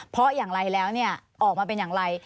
เพราะอย่างไรแล้วออกมาเป็นอย่างไร